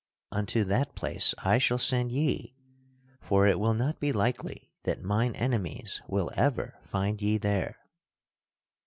Unto that place I shall send ye, for it will not be likely that mine enemies will ever find ye there.